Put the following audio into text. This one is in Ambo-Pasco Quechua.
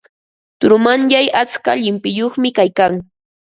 Turumanyay atska llimpiyuqmi kaykan.